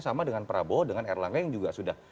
sama dengan prabowo dengan erlangga yang juga sudah